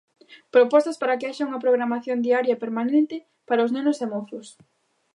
Propostas para que haxa unha programación diaria e permanente para os nenos e mozos.